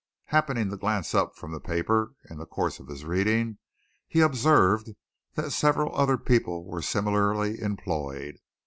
Happening to glance up from the paper in the course of his reading, he observed that several other people were similarly employed.